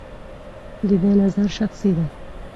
د ده نظر شخصي دی.